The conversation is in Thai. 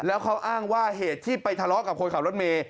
แล้วเขาอ้างว่าเหตุที่ไปทะเลาะกับคนขับรถเมย์